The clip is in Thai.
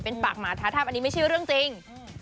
เป็นปากหมาท้าทาบอันนี้ไม่ใช่เรื่องจริง